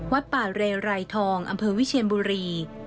วัดป่าเรไรทองอำเภอวิเชียนบุรี